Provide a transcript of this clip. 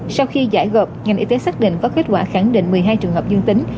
sau khi giải gợp ngành y tế xác định có kết quả khẳng định một mươi hai trường hợp dương tính